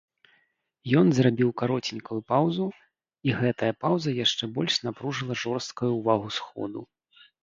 Ён зрабіў кароценькую паўзу, і гэтая паўза яшчэ больш напружыла жорсткую ўвагу сходу.